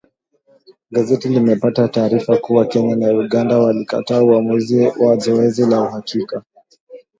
Gazeti limepata taarifa kuwa Kenya na Uganda walikataa uamuzi wa zoezi la uhakiki